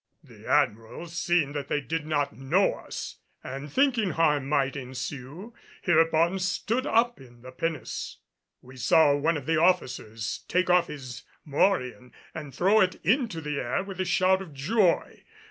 The Admiral, seeing that they did not know us and thinking harm might ensue, hereupon stood up in the pinnace. We saw one of the officers take off his morion and throw it into the air with a shout of joy.